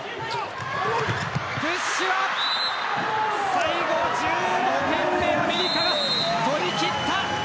最後１５点目アメリカが取り切った。